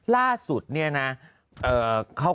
แป๊บ